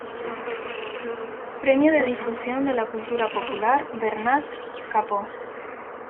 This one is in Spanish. Premio de difusión de la Cultura Popular Bernat Capó.